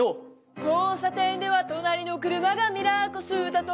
「交差点では隣の車がミラーこすったと」